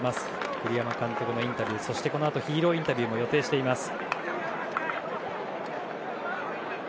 栗山監督のインタビューヒーローインタビューも予定しています。